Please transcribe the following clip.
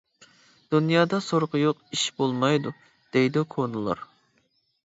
«دۇنيادا سورىقى يوق ئىش بولمايدۇ» دەيدۇ كونىلار.